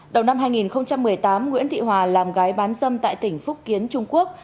đầu năm hai nghìn một mươi tám nguyễn thị hòa làm gái bán dâm tại tỉnh phúc kiến trung quốc